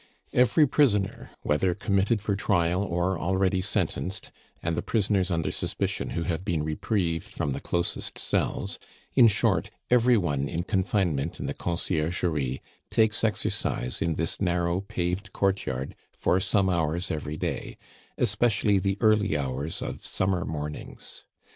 Every prisoner, whether committed for trial or already sentenced, and the prisoners under suspicion who have been reprieved from the closest cells in short, every one in confinement in the Conciergerie takes exercise in this narrow paved courtyard for some hours every day, especially the early hours of summer mornings.